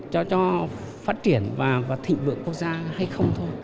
cho phát triển và thịnh vượng quốc gia hay không thôi